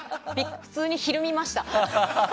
普通にひるみました。